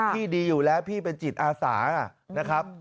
ดีอยู่แล้วพี่เป็นจิตอาสานะครับ